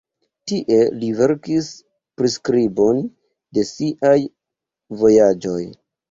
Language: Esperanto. Tie li verkis priskribon de siaj vojaĝoj.